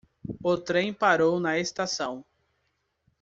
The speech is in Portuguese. O trem parou na estação.